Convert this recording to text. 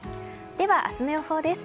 では、明日の予報です。